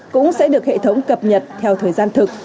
cũng sẽ được hệ thống cập nhật theo thời gian thực